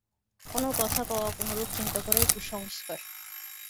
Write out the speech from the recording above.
কোন কথা কওয়া, কোনরূপ চিন্তা করাই কুসংস্কার।